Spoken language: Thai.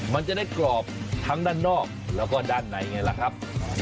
มันจะได้กรอบทั้งด้านนอกแล้วก็ด้านในไงล่ะครับ